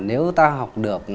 nếu ta học được